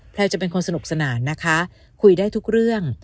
จะเป็นคนสนุกสนานนะคะคุยได้ทุกเรื่อง